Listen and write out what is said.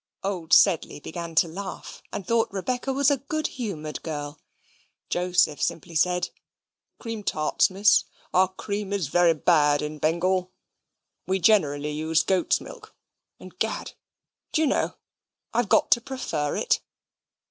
Old Sedley began to laugh, and thought Rebecca was a good humoured girl. Joseph simply said, "Cream tarts, Miss? Our cream is very bad in Bengal. We generally use goats' milk; and, 'gad, do you know, I've got to prefer it!"